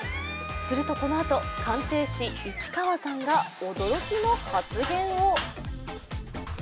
するとこのあと、鑑定士・市川さんが驚きの発言を。